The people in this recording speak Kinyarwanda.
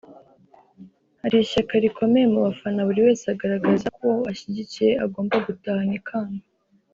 hari ishyaka rikomeye mu bafana buri wese agaragaza ko uwo ashyigikiye agomba gutahana ikamba